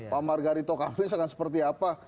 pak margarito kampis akan seperti apa